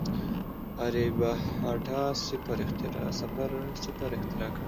آریابهټا صفر اختراع کړ.